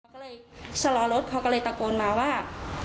ก็เลยชะลอรถเขาก็เลยตะโกนมาว่า